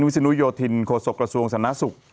วิสินุโยธินโคศกระทรวงสนัสสุข